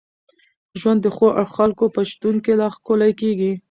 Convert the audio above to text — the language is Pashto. ژوند د ښو خلکو په شتون کي لا ښکلی کېږي.